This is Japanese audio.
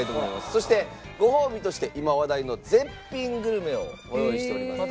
そしてご褒美として今話題の絶品グルメをご用意しております。